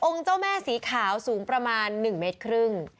เจ้าแม่สีขาวสูงประมาณ๑เมตรครึ่ง